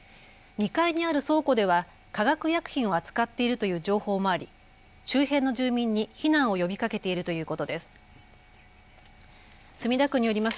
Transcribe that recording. ２階にある倉庫では化学薬品を扱っているという情報もあり周辺の住民に避難を呼びかけているということです。